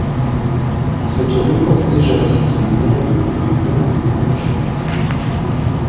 Cette rue portait jadis le nom de rue Longue-Saint-Jean.